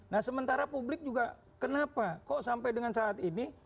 nah sementara publik juga kenapa kok sampai dengan saat ini